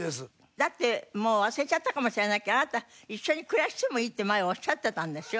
だってもう忘れちゃったかもしれないけどあなた一緒に暮らしてもいいって前おっしゃってたんですよ。